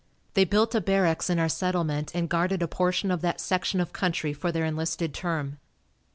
They built a barracks in our settlement and guarded a portion of that section of country for their enlisted term.